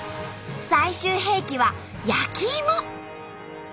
最終兵器は焼きイモ！